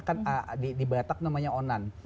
kan di batak namanya onan